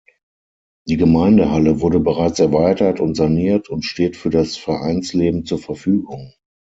Die Gemeindehalle wurde bereits erweitert und saniert und steht für das Vereinsleben zur Verfügung.